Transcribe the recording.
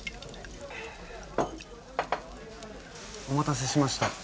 お待たせしました。